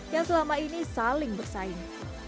yang selama ini saling bersaing